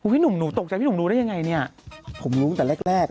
พี่หนุ่มหนูตกใจพี่หนุ่มรู้ได้ยังไงเนี่ยผมรู้ตั้งแต่แรก